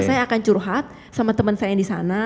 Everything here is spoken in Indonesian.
saya akan curhat sama teman saya yang di sana